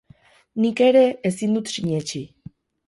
Nik ere ezin dut sinetsi.